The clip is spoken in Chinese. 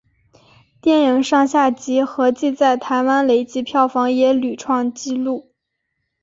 电影上下集合计在台湾累积票房也屡创纪录。